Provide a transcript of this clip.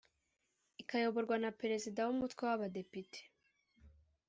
Ikayoborwa na perezida w umutwe w abadepite